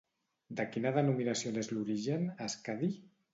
De quina denominació n'és l'origen, Skadi?